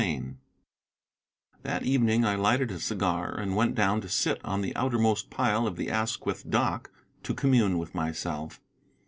CHAPTER IX That evening I lighted a cigar and went down to sit on the outermost pile of the Asquith dock to commune with myself.